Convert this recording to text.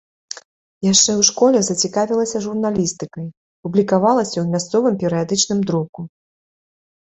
Яшчэ ў школе зацікавілася журналістыкай, публікавалася ў мясцовым перыядычным друку.